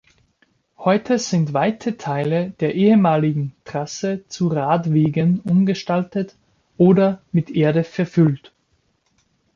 Heute sind weite Teile der ehemaligen Trasse zu Radwegen umgestaltet oder mit Erde verfüllt.